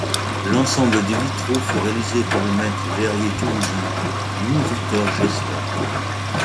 L’ensemble des vitraux fut réalisé par le maître-verrier toulousain Louis-Victor Gesta.